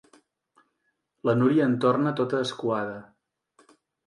La Núria en torna tota escuada.